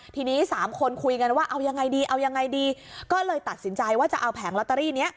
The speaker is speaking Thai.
ทีนี้สามคนคุยกันว่าเอายังไงดีเอายังไงดีก็เลยตัดสินใจว่าจะเอาแผงลอตเตอรี่นี้